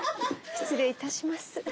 失礼いたします。